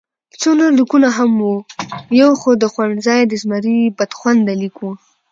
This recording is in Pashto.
څو نور لیکونه هم وو، یو د خوړنځای د زمري بدخونده لیک وو.